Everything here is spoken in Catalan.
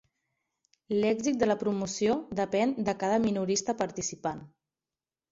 L'èxit de la promoció depèn de cada minorista participant.